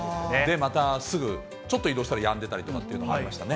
また、すぐちょっと移動したらやんでたりとかっていうのがありましたね。